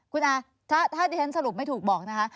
คุณอาถ้าที่ฉันสรุปไม่ถูกบอกนะคะ